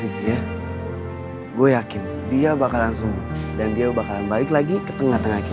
kayaknya aku suka cinta pak